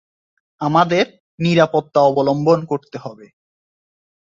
আমাদের নিরাপত্তা অবলম্বন করতে হবে।